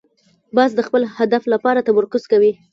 باز د خپل هدف لپاره تمرکز کوي